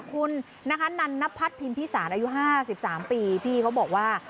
คุณนะคะนันนพัฒน์พิมพิสารอายุ๕๓ปีพี่เขาบอกว่า